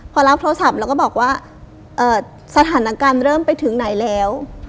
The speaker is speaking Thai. พอรับโทรศัพท์เราก็บอกว่าสถานการณ์เริ่มไปถึงไหนแล้ว